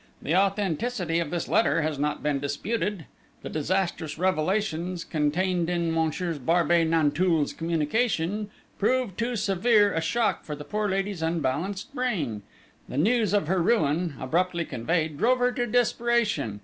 The authenticity of this letter has not been disputed. The disastrous revelations, contained in Messieurs Barbey Nanteuil's communication, proved too severe a shock for the poor lady's unbalanced brain: the news of her ruin, abruptly conveyed, drove her to desperation.